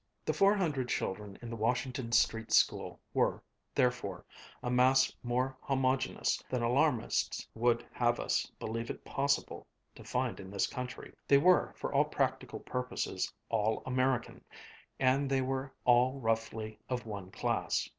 The four hundred children in the Washington Street School were, therefore, a mass more homogeneous than alarmists would have us believe it possible to find in this country. They were, for all practical purposes, all American, and they were all roughly of one class.